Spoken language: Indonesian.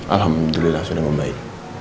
alhamdulillah sudah membaik